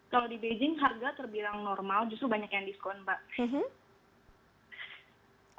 kalau di beijing harga terbilang normal justru banyak yang diskon mbak